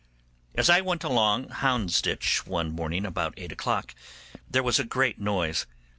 As I went along Houndsditch one morning about eight o'clock there was a great noise.